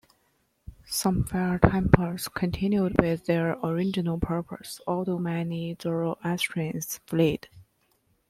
Some fire temples continued with their original purpose although many Zoroastrians fled.